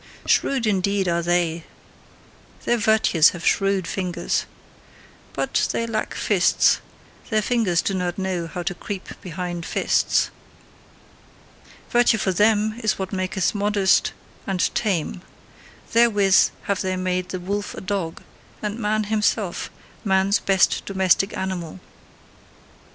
Shrewd indeed are they, their virtues have shrewd fingers. But they lack fists: their fingers do not know how to creep behind fists. Virtue for them is what maketh modest and tame: therewith have they made the wolf a dog, and man himself man's best domestic animal.